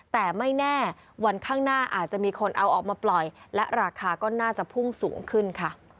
แต่ไม่แน่วันข้างหน้าอาจจะมีคนเอาออกมาปล่อยและราคาก็น่าจะพุ่งสูงขึ้นค่ะ